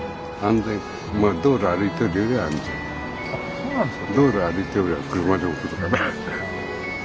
そうなんですか？